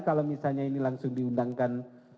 kalau misalnya ini langsung diundangkan